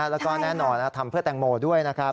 แล้วก็แน่นอนทำเพื่อแตงโมด้วยนะครับ